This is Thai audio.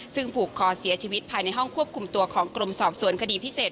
ซึ่งผูกคอเสียชีวิตภายในห้องควบคุมตัวของกรมสอบสวนคดีพิเศษ